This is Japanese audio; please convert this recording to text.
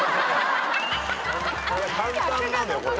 簡単なんだよこれ。